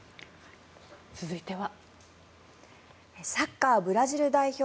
続いては。